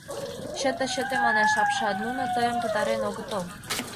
— Чыте-чыте, — манеш апшат, — нуно тыйым пытарен огытыл.